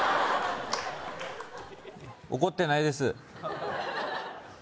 怒ってないです